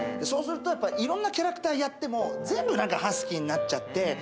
そうすると、やっぱりいろんなキャラクターをやっても、全部なんかハスキーになっちゃって。